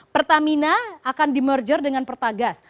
pertamina akan di merger dengan pertagas